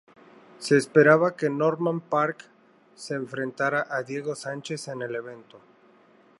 Se esperaba que Norman Parke se enfrentara a Diego Sánchez en el evento.